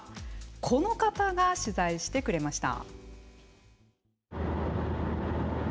この方が取材してくれました。